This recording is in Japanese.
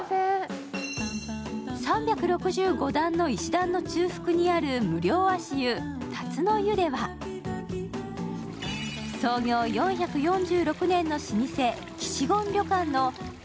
３６５段の石段の中腹にある無料足湯辰の湯では創業４４６年の老舗、岸権旅館の１００％